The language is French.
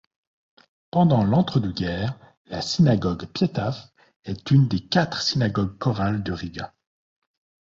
Pendant l'entre-deux-guerres, la synagogue Peitav est une des quatre synagogues chorale de Riga.